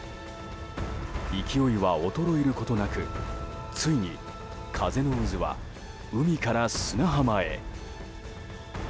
勢いは衰えることなくついに風の渦は海から砂浜へ。